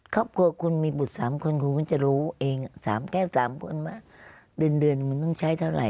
ครอบครัวคุณมีบุตร๓คนคุณก็จะรู้เอง๓แก้ว๓คนว่าเดือนมันต้องใช้เท่าไหร